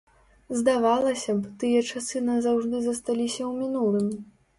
Здавалася б, тыя часы назаўжды засталіся ў мінулым.